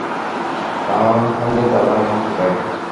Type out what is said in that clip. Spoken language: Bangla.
তাহা হইলে দাদা এখন কোথায়?